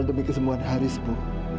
demi kesembuhan haris bu